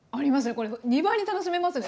これ２倍に楽しめますね